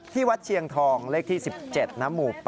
วัดเชียงทองเลขที่๑๗นะหมู่๘